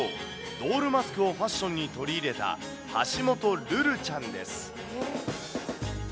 ドールマスクをファッションに取り入れた橋本ルルちゃんです。